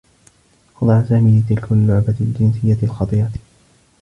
خضع سامي لتلك اللّعبة الجنسيّة الخطيرة.